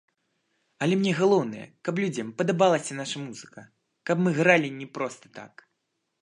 Але мне галоўнае, каб людзям падабалася наша музыка, каб мы гралі не проста так.